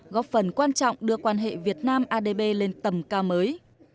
góp phần quan trọng đưa quan hệ việt nam adb lên tầm cao mới